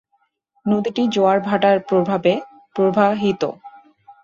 নদীটি জোয়ার ভাটার প্রবাহে প্রবাহিত।